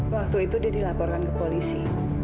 waktu itu dia dilaporkan ke polisi